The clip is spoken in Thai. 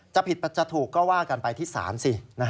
จะผิดจะถูกก็ว่ากันไปที่ศาลสิ